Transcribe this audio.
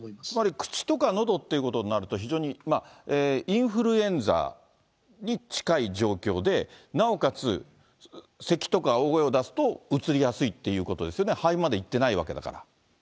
つまり口とかのどということになると、非常にインフルエンザに近い状況で、なおかつ、せきとか大声を出すと、うつりやすいっていうことですよね、肺までいってないわけだから。